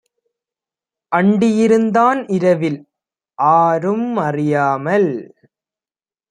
அண்டியிருந் தான்இரவில் ஆரும் அறியாமல்!